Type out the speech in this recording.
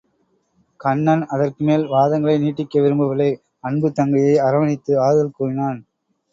கண்ணன் அதற்கு மேல் வாதங்களை நீட்டிக்க விரும்பவில்லை அன்புத் தங்கையை அரவணைத்து ஆறுதல் கூறினான்.